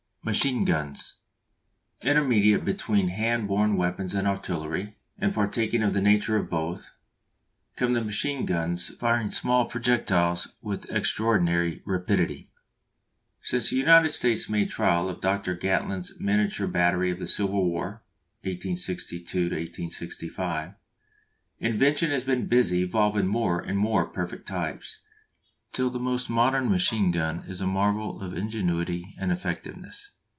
MACHINE GUNS. Intermediate between hand borne weapons and artillery, and partaking of the nature of both, come the machine guns firing small projectiles with extraordinary rapidity. Since the United States made trial of Dr. Gatling's miniature battery in the Civil War (1862 1865), invention has been busy evolving more and more perfect types, till the most modern machine gun is a marvel of ingenuity and effectiveness.